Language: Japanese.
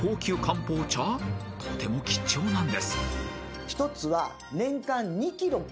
［とても貴重なんです］